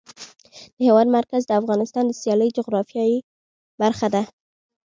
د هېواد مرکز د افغانستان د سیاسي جغرافیه برخه ده.